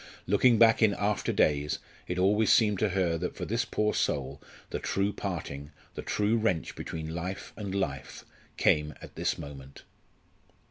Looking back in after days it always seemed to her that for this poor soul the true parting, the true wrench between life and life, came at this moment.